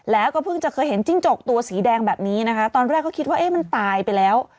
แล้วก็เพิ่งจะเคยเห็นจิ้งจกตัวสีแดงแบบนี้นะคะตอนแรกก็คิดว่าเอ๊ะมันตายไปแล้ว